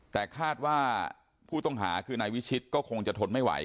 แต่คาดว่าผู้ต้องหาคือนายวิชิตก็คงจะทนไม่ไหว